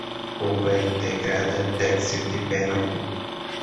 Companhia Integrada Têxtil de Pernambuco